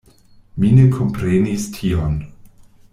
Mi ne komprenis tion.